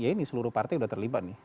ya ini seluruh partai sudah terlibat nih